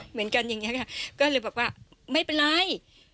เหมือนกันอย่างนี้ค่ะก็เลยบอกว่าไม่เป็นไร